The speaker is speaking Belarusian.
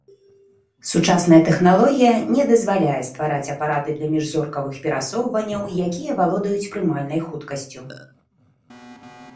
Сучасная тэхналогія не дазваляе ствараць апараты для міжзоркавых перасоўванняў, якія валодаюць прымальнай хуткасцю.